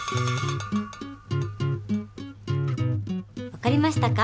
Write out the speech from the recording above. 分かりましたか？